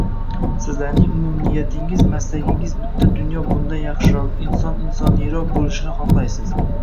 Sizlarning umumniyatingiz, maslagingiz bitta dunyo bundan yaxshiroq, inson insoniyroq boʻlishini xohlaysiz